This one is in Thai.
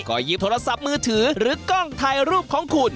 ก็หยิบโทรศัพท์มือถือหรือกล้องถ่ายรูปของคุณ